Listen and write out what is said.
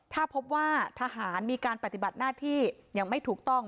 ถ้าพบว่าทหารมีการปฏิบัติหน้าที่อย่างไม่ถูกต้อง